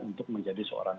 untuk menjadi seorang